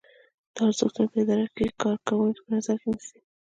دا ارزښتونه په اداره کې کارکوونکي په نظر کې نیسي.